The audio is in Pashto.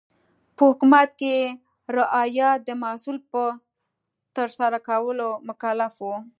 په حکومت کې رعایا د محصول په ترسره کولو مکلف و.